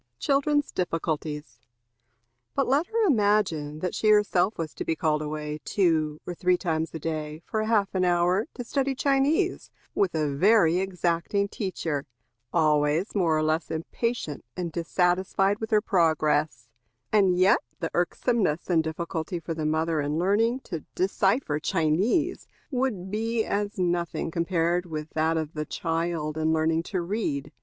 Children's Difficulties. But let her imagine that she herself was to be called away two or three times a day, for half an hour, to study Chinese, with a very exacting teacher, always more or less impatient and dissatisfied with her progress; and yet the irksomeness and difficulty for the mother, in learning to decipher Chinese, would be as nothing compared with that of the child in learning to read.